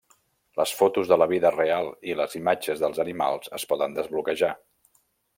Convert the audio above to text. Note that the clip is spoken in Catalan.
Les fotos de la vida real i les imatges dels animals es poden desbloquejar.